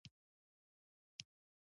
قضائیه قوه اختلافاتو له منځه وړل دي.